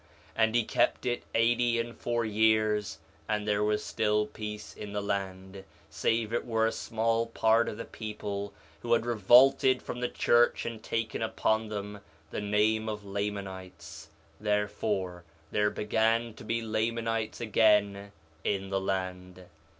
4 Nephi 1:20 And he kept it eighty and four years, and there was still peace in the land, save it were a small part of the people who had revolted from the church and taken upon them the name of Lamanites; therefore there began to be Lamanites again in the land.